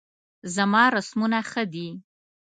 زما رسمونه ښه دي